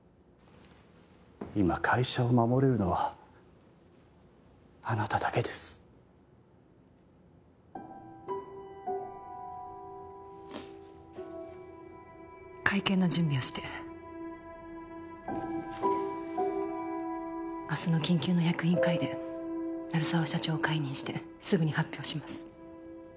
今会社を守れるのはあなただけです会見の準備をして明日の緊急の役員会で鳴沢社長を解任してすぐに発表します